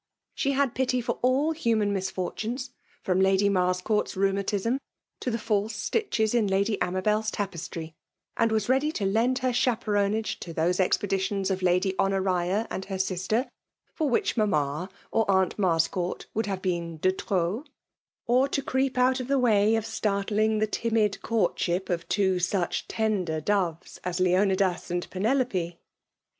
She had pity for all human mis* fortunes, — from Lady Marscourt's rheum atism, to the false stitches in Lady Amabel's tapes FEMALE DOMINATION. 261 tiry ; and was ready to lend her chapcronage to those expeditions of Lady Honoria and her sister, for which Mamma, or Aunt Marscourt, would have been de irop ; or to creep out of the way of startling the timid courtship of two such tender doves as Leonidas and Pene lope.